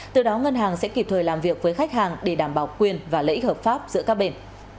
từ đó ngân hàng sẽ kịp thời làm việc với khách hàng để đảm bảo quyền và lợi ích hợp pháp giữa các bên